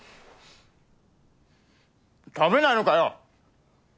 食べないのかよ。